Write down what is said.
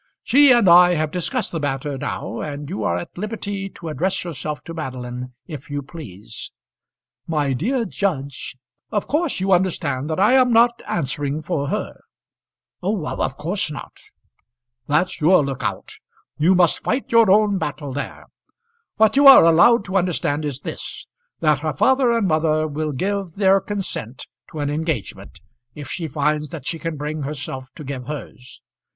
"She and I have discussed the matter now, and you are at liberty to address yourself to Madeline if you please." "My dear judge " "Of course you understand that I am not answering for her?" "Oh, of course not." "That's your look out. You must fight your own battle there. What you are allowed to understand is this, that her father and mother will give their consent to an engagement, if she finds that she can bring herself to give hers.